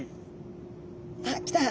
あっ来た！